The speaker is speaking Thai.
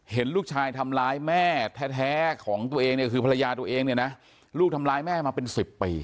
เห็นลูกชายทำร้ายแม่แท้ของตัวเองเนี่ยคือภรรยาตัวเองเนี่ยนะลูกทำร้ายแม่มาเป็น๑๐ปี